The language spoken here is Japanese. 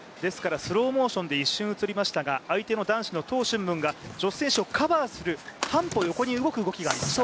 スローモーションで一瞬映りましたが相手のトウ俊文が女子選手をカバーする半歩横に動く動きがありました。